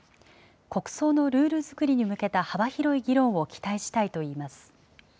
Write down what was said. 国葬のルール作りに向けた幅広い議論を期待したいといいます。